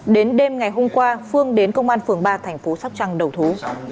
đến đêm ngày hôm qua phương đến công an phường ba thành phố sóc trăng đầu thú